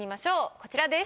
こちらです。